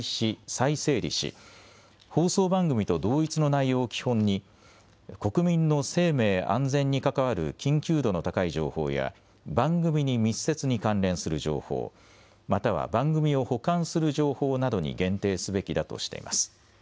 ・再整理し放送番組と同一の内容を基本に国民の生命・安全に関わる緊急度の高い情報や番組に密接に関連する情報、または番組を補完する情報などに限定すべきだとしています。